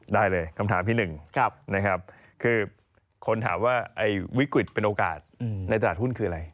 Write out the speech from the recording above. ได้เลยคำถามที่๑นะครับคือคนถามว่าวิกฤตเป็นโอกาสในตลาดหุ้นคืออะไร